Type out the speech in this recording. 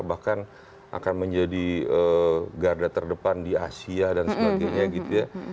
bahkan akan menjadi garda terdepan di asia dan sebagainya gitu ya